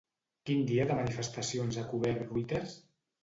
Quin dia de manifestacions ha cobert Reuters?